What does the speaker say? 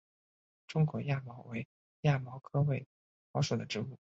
中亚卫矛为卫矛科卫矛属的植物。